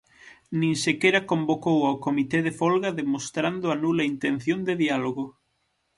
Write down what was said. Nin sequera convocou ao comité de folga demostrando a nula intención de diálogo.